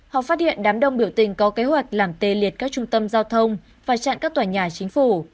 họ phát hiện đám đông biểu tình có kế hoạch làm tê liệt các trung tâm giao thông và chặn các tòa nhà chính phủ